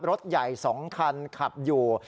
รถใหญ่๒คันขับอยู่